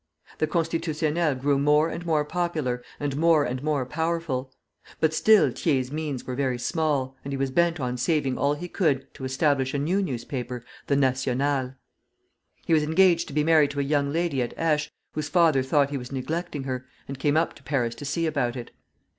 The "Constitutionnel" grew more and more popular and more and more powerful; but still Thiers' means were very small, and he was bent on saving all he could to establish a new newspaper, the "National." He was engaged to be married to a young lady at Aix, whose father thought he was neglecting her, and came up to Paris to see about it.